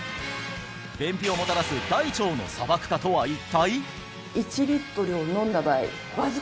便秘をもたらす大腸の砂漠化とは一体？